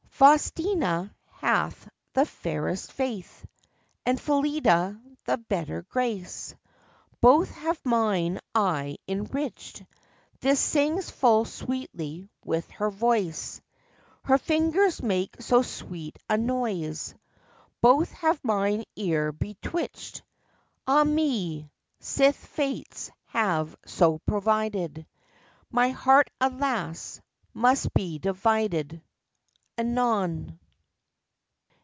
Faustina hath the fairest face, And Phillida the better grace; Both have mine eye enriched: This sings full sweetly with her voice; Her fingers make so sweet a noise: Both have mine ear bewitched. Ah me! sith Fates have so provided, My heart, alas! must be divided. Anon.